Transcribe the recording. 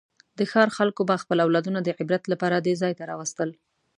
د ښار خلکو به خپل اولادونه د عبرت لپاره دې ځای ته راوستل.